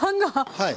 はい。